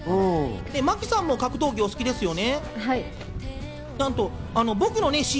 真木さんも格闘技がお好きですよね？